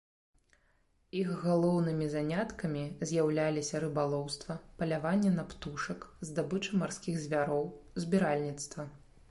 Іх галоўнымі заняткамі з'яўляліся рыбалоўства, паляванне на птушак, здабыча марскіх звяроў, збіральніцтва.